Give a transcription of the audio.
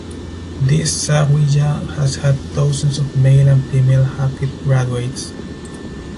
This zawiya has had dozens of male and female Hafiz graduates.